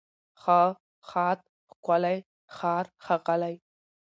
ښه، ښاد، ښکلی، ښار، ښاغلی